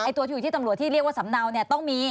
ตัวที่อยู่ที่ตำรวจที่เรียกว่าสำเนาเนี่ยต้องมี